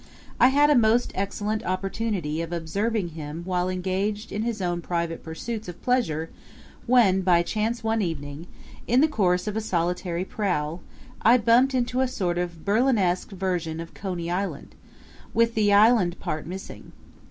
I had a most excellent opportunity of observing him while engaged in his own private pursuits of pleasure when by chance one evening, in the course of a solitary prowl, I bumped into a sort of Berlinesque version of Coney Island, with the island part missing.